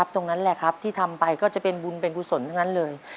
ตรงนั้นแหละครับที่ทำไปก็จะเป็นบุญเป็นกุศลทั้งนั้นเลย